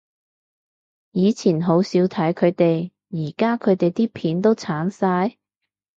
以前好少睇佢哋，而家佢哋啲片都剷晒？